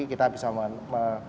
kita bisa membandingkan